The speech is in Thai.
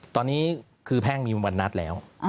ตอนนี้คือแพ่งมีวันนัดแล้ว